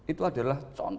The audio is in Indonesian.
itu adalah contohnya